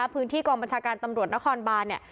พื้นที่กองบรรชาการตำรวจนครบาน